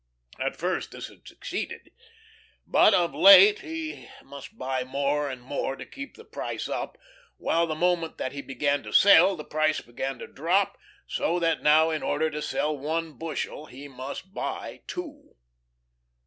At first this had succeeded. But of late he must buy more and more to keep the price up, while the moment that he began to sell, the price began to drop; so that now, in order to sell one bushel, he must buy two.